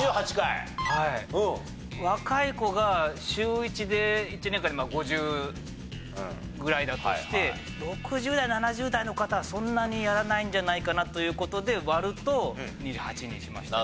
若い子が週１で１年間に５０ぐらいだとして６０代７０代の方はそんなにやらないんじゃないかなという事で割ると２８にしました。